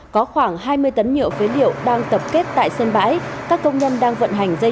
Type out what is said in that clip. có khoảng hai mươi tấn nhựa phế liệu đang tập kết tại sân bãi các công nhân đang vận hành dây